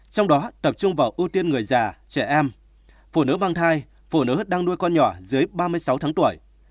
trong đó tập trung vào ưu tiên người già trẻ em phụ nữ mang thai phụ nữ đang nuôi con nhỏ dưới ba mươi sáu tháng tuổi